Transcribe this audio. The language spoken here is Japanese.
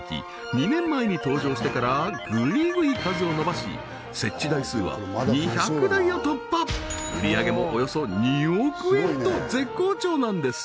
２年前に登場してからグイグイ数を伸ばし設置台数は２００台を突破と絶好調なんです